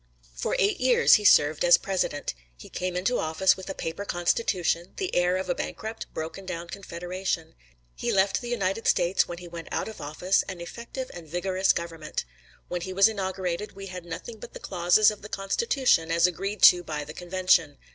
For eight years he served as president. He came into office with a paper constitution, the heir of a bankrupt, broken down confederation. He left the United States, when he went out of office, an effective and vigorous government. When he was inaugurated, we had nothing but the clauses of the Constitution as agreed to by the Convention.